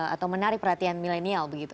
atau menarik perhatian milenial begitu